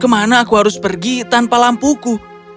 kemana aku harus pergi tanpa lampuku